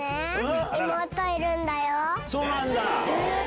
そうなんだ。